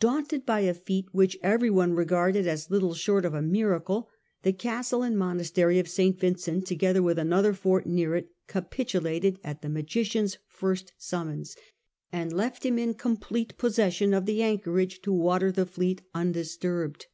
Daunted by a feat which every one regarded as Httle short of a miracle, the castle and monastery of St. Vincent, together with another fort near it, capitulated at the magician's first summons, and left him in complete possession of the anchorage to water the fleet undisturbed.